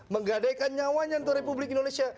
menggadaikan nyawanya untuk republik indonesia